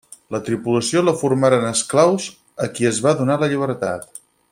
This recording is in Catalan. La tripulació la formaren esclaus a qui es va donar la llibertat.